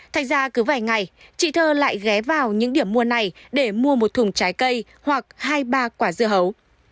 thành ra cứ vài ngày chị thơ lại ghé vào những điểm mua này để mua một thùng trái cây hoặc hai ba quả dưa hấu